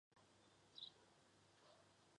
而相关的讨论更带动剧集收视。